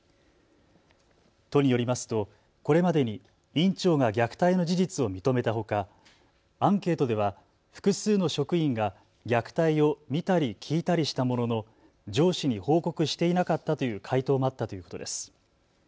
都によりますと、これまでに院長が虐待の事実を認めたほかアンケートでは複数の職員が虐待を見たり聞いたりしたものの上司に報告していなかったという回答もあったということです。